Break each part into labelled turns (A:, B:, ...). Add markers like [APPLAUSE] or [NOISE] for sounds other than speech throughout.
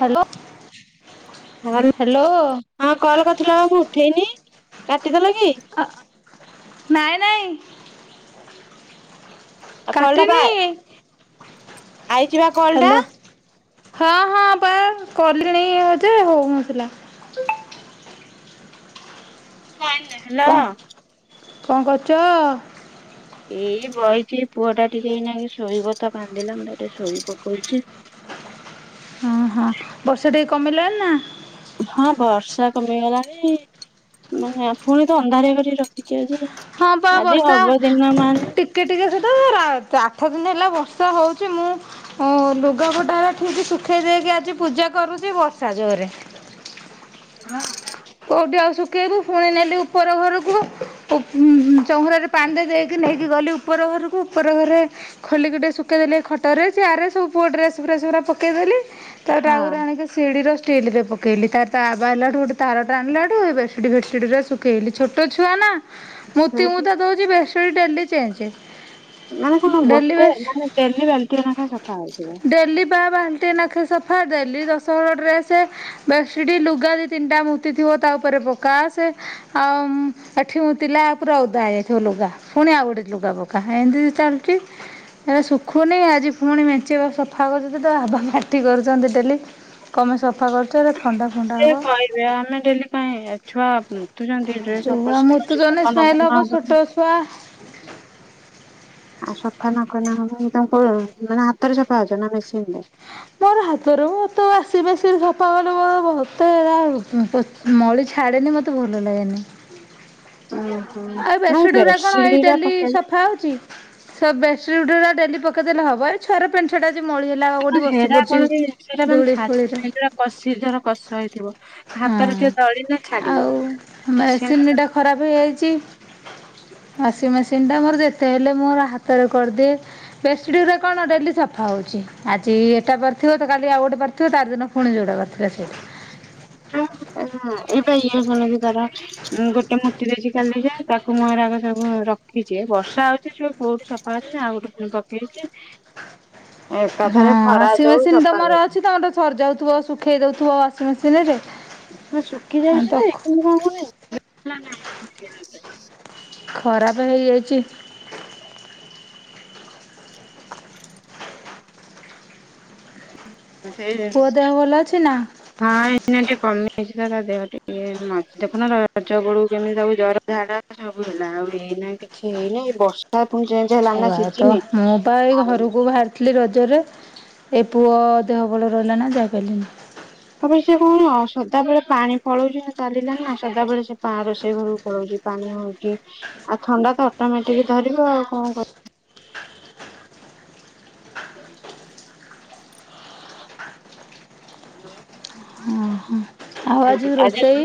A: Hello,
B: ହଁ
A: hello,
B: ହଁ call କରିଥିଲ ମୁଁ ଉଠେଇନି କାଟିଦେଲ କି।
A: ଆ ନାଁଇ ନାଁଇ।
B: ଆଉ କଲ୍ ଟା ବା
A: କାଟିିନି,
B: ଆଇଚି ବା କଲ୍ ଟା
A: ହ୍ୟାଲୋ ହଁ ହଁ ବା କଲିଣି ଯେ ହଉ ନ ଥିଲା।
B: ନାଁଇ ନାଁଇ ହ୍ୟାଲୋ
A: କଣ କଣ କରୁଛ?
B: ଏଇ ବଇଛି ପୁଅ ଟା ଟିକେ ଏଇନା ଶୋଇବ ତ କାନ୍ଦିଲାନି ତାକୁ ଟିକେ ଶୋଇ ପକଉଛି।
A: ହଁ ହଁ ବର୍ଷା ଟିକେ କମିଲାଣି ନା?
B: ହଁ ବର୍ଷା କମିଗଲାଣି ମେ ପୁଣି ତ ଅନ୍ଧାର କରିକି ରଖିଛିି ଆଜି।
A: ହଁ ପା
B: ଆଦେ
A: ବର୍ଷା
B: ହବ ଦିିନ ମାନ।
A: ଟିକେ ଟିକେ ସେ ତ ରା ଆଠ ଦିନ ହେଲା ବର୍ଷା ହଉଛି ମୁଁ ଓ ଲୁଗାପଟା ହେଲା ଠିକ ଶୁଖେଇ ଦେଇକି ଆଜି ପୂଜା କରୁଛି ବର୍ଷା ଜୋରରେ।
B: ହଁ,
A: କୋଉଠି ଆଉ ଶୁଖେଇବୁ ଫୁଣି ନେଲି ଉପର ଘରକୁ। ପୁ ଉ-ଉ-ଉ-ଉ ଚଉୁରାରେ ପାଣି ଦେଇକି ନେଇକି ଗଲି ଉପର ଘରକୁ ଉପର ଘରେ ଖୋଲିକି ଟିକେ ଶୁଖେଇଦେଲେ ଖଟରେ ଚିଆରରେ ସବୁପୁଅ ଡ୍ରେସ ଫ୍ରେସ ଗୁରା ପକେଇ ଦେଲି। ତା
B: ହଁ
A: ଆଉଗୁରା ଆଣିକି ସିଢିର ଷ୍ଟିଲରେ ପକେଇଲି ତାର ତା ବାବା ଆଇଲାଠୁ ଗୋଟେ ତାର ଟାଣିଲାଠୁ ବେଡସିଡି ଫେସିଡ଼ି ରେ ଶୁଖେଇଲି ଛୋଟ ଛୁଆ ନା
B: ସେ
A: ମୁତି ମୁତା ଦଉଛି ବେ ସେ ଡେଲି ଚେଚେ।
B: ମାନେ କଣ ଗୋଟେ ମାନେ ଡେଲି ବାଲଟିଏ ନେଖା ସଫା ହେଉଥିବ।
A: ଡେଲି ବା ବା ଏତେ ନାଖା ସଫା ଡେଲି ଦଶ ହଳ ଡ୍ରେସେ, ବେଡ଼ସିଟି, ଲୁଗା ଦି ତିନଟା ମୁ ତିଥିବ ତା ଉପରେ ପକା ସେ ଆଉ ଏଠି ମୁତିଲା ପୁରା ଓଦା ହେଇ ଯାଇଥିବ ଲୁଗା। ପୁଣି ଆଉ ଗୋଟେ ଲୁଗା ପକା ଏଇତି ଚାଲୁଛି। ହେଲେ ଶୁଖୁନି ଆଜି ପୁଣି ମେଞ୍ଚେ ସଫା କରୁଛନ୍ତି ତ ବାବା ମାଟି କରୁଛନ୍ତି ଡେଲି କନପାଇ ସଫା କରୁଛ ହେଗୁରା ଥଣ୍ଡା ଫଣ୍ଡା ହେବ।
B: [UNINTELLIGIBLE] ଡେଲି କାଇଁ ଛୁଆ [UNINTELLIGIBLE] ଡ୍ରେସ୍
A: ଛୁଆ
B: ଅପରିଷ୍କାର ଅଛି
A: ମୁତୁଛନ୍ତି
B: ସଫା ନ
A: ସ୍ମେଲ
B: କଲେ
A: ହବ
B: ହବନି।
A: ଛୋଟ ଛୁଆ
B: ଆଉ ସଫା ନ କଲେ ହବନି ତାକୁ, ମାନେ ହାତରେ ସଫା କରୁଛ ନା ମେସିନ ରେ?
A: ମୋର ହାତରେ ମୁ ତ ୱାସିଙ୍ଗ ମେସିନ ସଫା କଲେ [UNINTELLIGIBLE] ମଳି ଛାଡ଼େନି ମୋତେ ଭଲ ଲାଗେନି।
B: ହଁ,
A: ଆଉ ବେସିଡ ଗୁରା କଣ ଏଇ ଡେଲି ସଫା ହଉଛି? ସେ ବେଡ଼ସିଡ୍ ଗୁଡା ଡେଲି ପକେଇଦେଲେ ହବ। ଆ ଛୁଆ ପ୍ୟାଣ୍ଟ ସାର୍ଟ ଆଜି ମଳି ହେଲା ଆଉ କଉଠି ବସି
B: ହେରା କଣ
A: ପଡ଼ିଛି
B: କି ସେଟା ମାନେ
A: ଧୂଳି
B: ଛାଡି
A: ଫୂଳିରେ
B: ହେରା କଷି ଧର କଷ ହେଇଥିବ
A: ହଁ।
B: ହାତରେ ଟିକେ ଦଳିଲେ ଛାଡିବ ସେ [INAUDIBLE]
A: ହେଇଛି ୱାସିଂ ମେସିନ ଟା ମୋର ଯେତେ ହେଲେ ମୋ ହାତରେ କରିଦିଏ। ବେଡ଼ସିଡ ଗୁରା କଣ ଡେଲି ସଫା ହଉଛି ଆଜି ଏଟା ପାରିଥିବ ତ କାଲି ଆଉ ଗୋଟେ ପାରିଥିବ ତାର ଦିନ ପୁଣି ଯୋଉଟା ପାରିଥିଲେ ସେଇଟା।
B: ହଁ [UNINTELLIGIBLE] ମ ଗୋଟେ ମୁତି ଦେଇଛି କାଲି ଯେ ତାକୁ [UNINTELLIGIBLE] ସବୁ ରଖିଛି ଏ ବର୍ଷା ହଉଛି କୋଉଠି ସଫା କରିବି ଆଉ ଗୋଟେ ପୁଣି ପକେଇଛି।
A: ହଁ ହଁ
B: ଏକାଥରେ ଖରା
A: ୱାସିଂ
B: ଦଉ
A: ମେସିନ ତ
B: ସଫା
A: ମୋର
B: କରୁ
A: ଅଛି ତମର ସରିଯାଉଥିବ ଶୁଖେଇ ଦଉଥିବ ୱାସିଂ ମେସିନ ରେ।
B: ହଁ ଶୁଖି ଯାଉଛି ଯେ କିନ୍ତୁ କଣ କହିଲେ [INAUDIBLE]
A: ଖରାପେ ହେଇଯାଇଚି।
B: ସେଇ
A: ପୁଅ ଦେହ
B: ଜିନଷ
A: ଭଲ ଅଛି ନା?
B: ହଁ, ଏଇନା ଟିକେ କମିଯାଇଛି ତ ତା ଦେହ ଟିକେ। ମଝି ଦେଖୁନ ରଜ ବେଳକୁ କେମିତି ତାକୁ ଜର, ଝାଡା ସବୁ ହେଲା। ଆଉ ଏଇନାଇଁ କିଛି ହେଇନେଇ, ବର୍ଷା ପୁଣି ଯାଇ
A: ଛୁଆ ତ। ମୁଁ ବା ଏଇ ଘରକୁ ବାହାରି ଥିଲି ରଜରେ, ଏ ପୁଅ ଦେହ ଭଲ ରହିଲା ନା ଯାଇପାରିଲିନି।
B: ତାପରେ ସେ କଅଣ ସଦାବେଳେ ପାଣି ପଳଉଚି ନା ଚାଲିଲା ନା, ସଦାବେଳେ ସେ ପାଆଁ ରୋଷେଇ ଘରକୁ ପଳଉଚି। ପାଣି ହଉଚି, ଆଉ ଥଣ୍ଡା ତ ଅଟୋମେଟିକ ଧରିବ ଆଉ କଣ କରିବ? [UNINTELLIGIBLE]
A: ଆଉ
B: ଆଗି ଆଜି
A: ରୋଷେଇ
B: ତ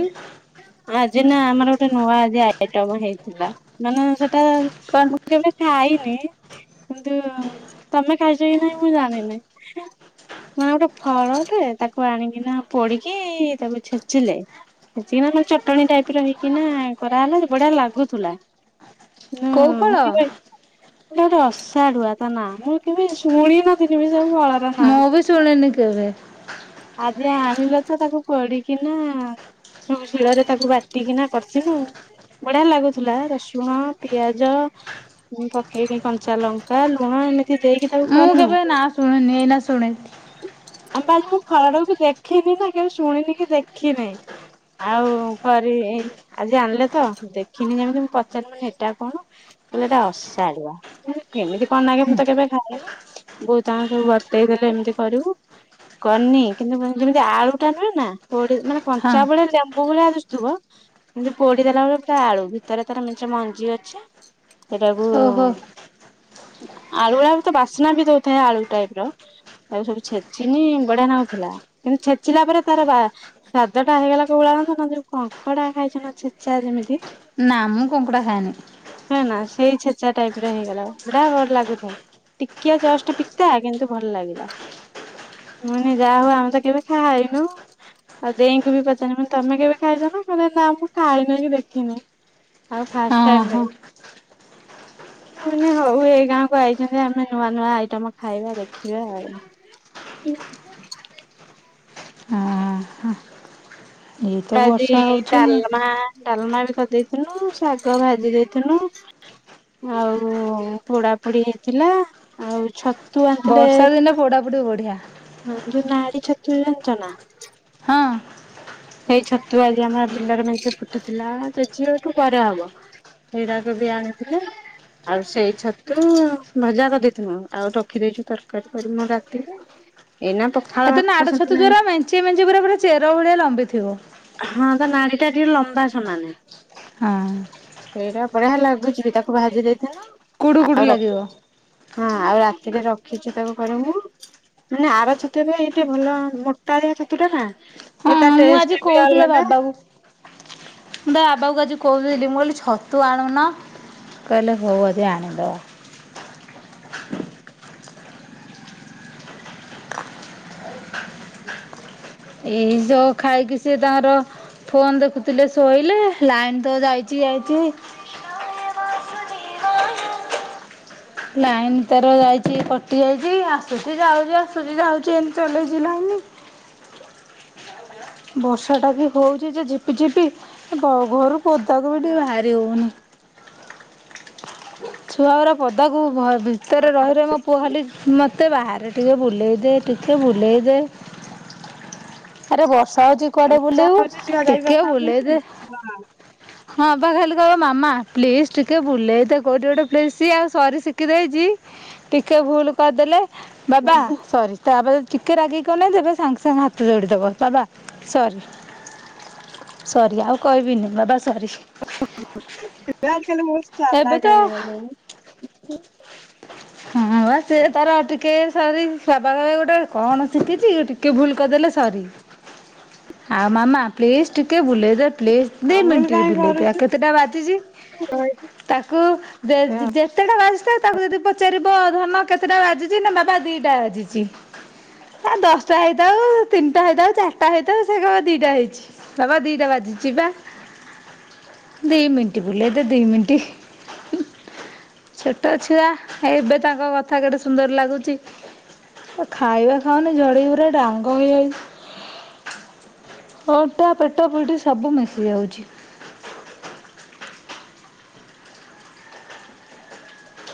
B: ଆଜି ନା ଆମର ଗୋଟେ ନୂଆ ଆଜି ଆଇଟମ ହେଇଥିଲା। ନା ନା ନା ସେଇଟା,
A: କଣ?
B: ମୁଁ କେବେ ଖାଇନି କିନ୍ତୁ ତମେ ଖାଇଛ କି ନାହିଁ ମୁଁ ଜାଣିନେଇଁ? ମା ଗୋଟେ ଫଳଟେ, ତାକୁ ଆଣିକିନା ପୋଡିକି ତାକୁ ଛେଚିଲେ ଛେଚିକିନା ତାକୁ ଚଟଣୀ ଟାଇପର ହେଇକିନା ଇଏ କରାହେଲା, ସିଏ ବଢିଆ ଲାଗୁଥୁଲା। ନାଁ
A: କୋଉ ଫଳ?
B: ମୁଁ କ ପାଇ ସେଇଟା ହଉଛି ଅଷାଢ଼ୁଆ ତା ନାଁ। ମୁଁ କେବେ ଶୁଣ ନଥିଲି ବି ସେ ଫଳ
A: ମୁଁ ବି ଶୁଣିନି କେବେ?
B: ଆଜି ଆଣିଲ ତ ତାକୁ ପୋଡ଼ିକିନା ସବୁ ଶିଳରେ ତାକୁ ବାଟିକିନା କରିସିନୁ ବଢିଆ ଲାଗୁଥିଲା। ରସୁଣ, ପିଆଜ ମୁଁ ପକେଇକି କଞ୍ଚା ଲଙ୍କା, ଲୁଣ, ଏମିତି ଦେଇକି ତାକୁ
A: ମୁଁ
B: କରିନୁ
A: କେବେ ନାଁ ଶୁଣିନି, ଏଇନା ଶୁଣି
B: ଆମ ଆଜି ମୁଁ ଫଳଟାକୁ ବି କି ଦେଖିନି ନା କେବେ ଶୁଣିନି କି ଦେଖିନାହିଁ। ଆଉ କରି ଇ ଆଜି ଆଣିଲେ ତ, ଦେଖିନି ଯେମିତି ମୁଁ ପଚାରିଲି ମୁଁ କହିଲି ଏଇଟା କଣ? କହିଲେ ଏଇଟା ଅଷାଢ଼ିଆ। ମୁଁ କହିଲି କେମିତି କଣ ନାଗେ ମୁଁ ତ କେବେ ଖାଇନି? ବୋଉ ତାଙ୍କର ସବୁ ବତେଇ ଦେଲେ ଏମତି କରିବୁ କରନି କିନ୍ତୁ ମତେ ଯେମତି ଆଳୁଟା ନୁହେଁ ନା, ପୋଡ଼ି ମାନେ
A: ହଁ
B: କଞ୍ଚା ଭଳିଆ ଲେମ୍ବୁ ଭଳିଆ ଦିଶୁଥିବ ଏନ୍ତି ପୋଡି ଦେଲା ବେଳକୁ ପୁରା ଆଳୁ। ଭିତରେ ତାର ମେଞ୍ଚେ ମଞ୍ଜି ଅଛି ସେଟାକୁ
A: ଓହୋ
B: ଆଳୁ ଗୁଳାକ ତ ବାସ୍ନା ବି ଦଉଥାଏ ଆଳୁ ଟାଇପର, ତାକୁ ସବୁ ଛେଚିନି ବଢିଆ ନାଗୁଥିଲା। କିନ୍ତୁ ଛେଚିଲା ପରେ ତାର ବା ସ୍ଵାଦଟା ହେଇଗଲା କୋଉଭଳିଆ ଜାଣିଚ ନା, ଯୋଉ କଙ୍କଡା ଖାଇଛ ନା ଛେଚା ଯେମିତି
A: ନା, ମୁଁ କଙ୍କଡ଼ା ଖାଏନି।
B: ହେ ନା, ସେଇ ଛେଚା ଟାଇପର ହେଇଗଲା, ପୁରା ଭଲ ଲାଗୁଥାଏ। ଟିକିଆ ଜଷ୍ଟ ପିତା କିନ୍ତୁ ଭଲ ଲାଗିଲା। ମାନେ ଯାହା ହଉ ଆମେ ତ କେବେ ଖାଇନଉଁ। ଆଉ ଦେଇଙ୍କୁ ବି ପଚାରିନି ମାନେ ତମେ କେବେ ଖାଇଛ ନା, କହିଲେ ନା ମୁଁ ଖାଇନେଇ କି ଦେଖିନି। ଆଉ
A: ହଁ
B: ଫାଷ୍ଟ ଟାଇମରେ
A: ହଁ [INAUDIBLE]
B: ମୁଁ କହିନି ହଉ, ଏଇ ଗାଁକୁ ଆଇଚନ୍ତି ଆମେ ନୂଆ ନୂଆ ଆଇଟମ ଖାଇବା ଦେଖିବା ଆଉ। [UNINTELLIGIBLE]
A: ହଁ ହଁ। ଏଇ ତ
B: ବା ଆଜି
A: ବର୍ଷା ହଉଛି ମୁଁ
B: ଡାଲମା ଡାଲମା ବି କରି ଦେଇଥିନୁ, ଶାଗ ଭାଜି ଦେଇଥିନୁ ଆଉ ପୋଡା ପୋଡି ହେଇଥିଲା, ଆଉ ଛତ
A: ବର୍ଷା ଦିନେ ପୋଡା ପୋଡି ବଢିଆ।
B: ଆଉ ଯୋଉ ନାଡି ଛତୁୁ ଜାଣିଚ ନା?
A: ହଁ
B: ସେଇ ଛତୁ ଆଜି ଆମର ବିଲରେ ମେଞ୍ଚେ ଫୁଟିଥିଲା କେଜିଏଠୁ ପରେ ହବ। ସେଇରାକ ବି ଆଣିଥିଲେ ଆଉ ସେଇ ଛତୁ ଭଜା କରିଦେଇଥିନୁ, ଆଉ ରଖିଦେଇଛୁ ତରକାରୀ କରିମୁ ରାତିରେ ଏଇନା ପ
A: ସେଦିନ ଆଡେ ଛୁତୁଗୁରା ମେଞ୍ଚି ମେଞ୍ଚି ପୁରା ପୁରା ଚେର ଭଳିଆ ଲମ୍ବିଥିବ।
B: ହଁ ତା ନାଡିଟା ଟିକେ ଲମ୍ବା ସମାନେ।
A: ହଁ
B: ସେଇଟା ବଢିଆ ଲାଗୁଛି ବି ତାକୁ ଭାଜି
A: କୁଡୁ
B: ଦେଇଥାଅ
A: କୁଡୁ
B: ଆଉ ର
A: ଲାଗିବ।
B: ହଁ ଆଉ ରାତିରେ ରଖିଛୁ ତାକୁ କରିବୁ। ମାନେ ଆର ଛତୁ ଏବେ ଏଇ ଟିକେ ମୂଳ ମୋଟାଳିଆ ଛତୁ ଟା ନା ସେଇଟା ଟେ
A: ମା ଆଜି କହିଥିଲା ବାବାକୁ। ବାବାକୁ ଆଜି କହୁଥିଲି ମୁଁ କହିଲି ଛତୁ ଆଣୁନ। କହିଲେ ହଉ ଆଜି ଆଣିବା।
B: କଁ
A: ଏଇ ଯୋଉ ଖାଇକି ସିଏ ତାଙ୍କର ଫୋନ୍ ଦେଖୁଥିଲେ ଶୋଇଲେ ଲାଇନ୍ ତ ଯାଇଛି ଆଜି ଲାଇନ୍ ତାର ଯାଇଛି କଟି ଯାଇଛି ଆସୁଛି ଯାଉଛି ଆସୁଛି ଯାଉଛି ଏମିତି ଚଲେଇଛି ଲାଇନ୍। ବର୍ଷାଟା ବି ହଉଛି ଯେ ଝିପି ଝିପି ଘ ଘରୁ ପଦାକୁ ବି ଟିକେ ବାହାରି ହଉନି। ଛୁଆଗୁରା ପଦାକୁ ବାହା ଭିତରେ ରହିଲେ ମୋ ପୁଅ ଖାଲି ମତେ ବାହାରେ ଟିକେ ବୁଲେଇ ଦେ। ଟିକେ ବୁଲେଇ ଦେ ଆରେ ବର୍ଷା ହଉଛି କୁଆଡେ ବୁଲିବୁ
B: ଛୁଆ
A: ଟିକେ ବୁଲେଇ
B: ଯାଇପାରୁନାହାନ୍ତି
A: ଦେ। ହଁ ବା ଖାଲି କହିବ ମାମା ପ୍ଲିଜ୍ ଟିକେ ବୁଲେଇ ଦେ କୋଉଠି ଗୋଟେ। ମୁଁ କହିଲି ସିଏ ଆଉ ସରି ଶିଖିଦେଇଛି ଟିକେ ଭୁଲ୍ କରିଦେଲେ ବାବା ସରି। ତା ବାବା ଯଦି ଟିକେ ରାଗିକି ଅନେଇ ଦେବେ ସାଙ୍ଗେ ସାଙ୍ଗେ ହାତ ଯୋଡିଦବ ବାବା ସରି। ସରି ଆଉ କହିବିନି ବାବା ସରି।
B: ଆଜି କାଲି ଛୁଆ ଗୁଡାକ ମୋଷ୍ଟ୍
A: ଏବେ ତ
B: ଚାଲାକ୍ ହେଇଗଲେଣି।
A: ହଁ ହଁ ବା ସିଏ ତାର ଟିକେ ସରି କବାଟରେ ଗୋଟେ କଣ ଶିଖିଛି ଟିକେ ଭୁଲ୍ କରିଦେଲେ ସରି। ଆଉ ମାମା ପ୍ଲିଜ୍ ଟିକେ ବୁଲେଇ ଦେ ପ୍ଲିଜ୍ ଦି
B: ରାହୁଲ
A: ମିନିଟ୍
B: କାହିଁ
A: ବୁଲେଇ ଦେ କେତେଟା ବାଜିଛି
B: କରୁଛୁ
A: ତାକୁ ଯେ ଯେ ଯେତେଟା ବାଜିଥାଉ ତାକୁ ଯଦି ପଚାରିବ ଧନ କେତେଟା ବାଜିଛି ନା ବାବା ଦିଟା ବାଜିଛି। ହେ ଦଶଟା ହେଇଥାଉ ତିନିଟା ହେଇଥାଉ ଚାରିଟା ହେଇଥାଉ ସେ କହିବ ଦିଟା ହେଇଛି। ବାବା ଦି ଟା ବାଜିଛି ବା ଦି ମିନିଟ୍ ବୁଲେଇ ଦେ ଦି ମିନିଟ୍। ଛୋଟ ଛୁଆ ଏବେ ତାଙ୍କ କଥା କେଡେ ସୁନ୍ଦର ଲାଗୁଛି। ସେ ଖାଇବା ଖାଉନି ଝଡିକି ପୁରା ଡାଙ୍ଗ ହେଇଯାଇଛି। ଅଣ୍ଟା ପେଟ ପିଠି ସବୁ ମିଶି ଯାଉଛି।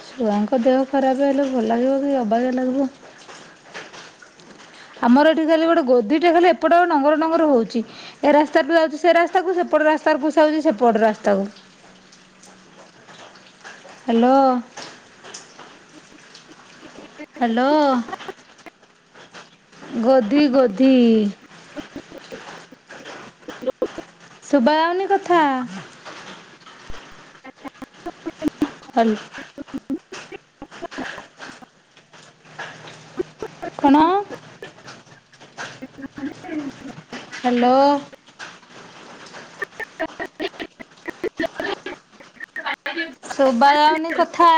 A: ଛୁଆଙ୍କ ଦେହ ଖରାପ ହେଲେ ଭଲ ଲାଗିବ କି ଅବାଗିଆ ଲାଗିବ। ଆମର ଏଠି ଖାଲି ଗୋଟେ ଗୋଧିଟେ ଖାଲି ଏପଟେ ନଙ୍ଗର ନଙ୍ଗର ହଉଛି ଏ ରାସ୍ତାଠୁ ଯାଉଛି ସେ ରାସ୍ତାକୁ ସେପଟ ରାସ୍ତାରୁ ପଶି ଯାଉଛି ସେପଟ ରାସ୍ତାକୁ। ହାଲୋ।
B: [UNINTELLIGIBLE]
A: ହାଲୋ ଗୋଧି ଗୋଧି।
B: [UNINTELLIGIBLE]
A: ଶୁଭାଯାଉନି କଥା।
B: [UNINTELLIGIBLE]
A: ହାଲ୍ କଣ? ହାଲୋ।
B: [UNINTELLIGIBLE]
A: ଶୁଭାଯାଉନି କଥା।